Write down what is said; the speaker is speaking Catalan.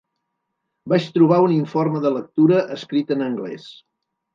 Vaig trobar un informe de lectura escrit en anglès.